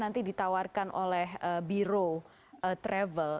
nanti ditawarkan oleh biro travel